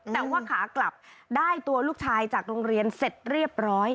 แต่ว่าขากลับได้ตัวลูกชายจากโรงเรียนเสร็จเรียบร้อย